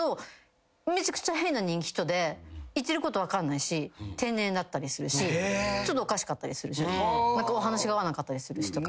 言ってること分かんないし天然だったりするしちょっとおかしかったりするしお話が合わなかったりするしとか。